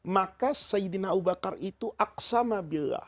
maka sayyidina abu bakar itu aksamabila